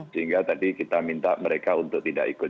sehingga tadi kita minta mereka untuk tidak ikut